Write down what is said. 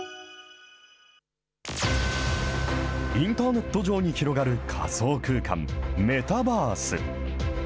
インターネット上に広がる仮想空間、メタバース。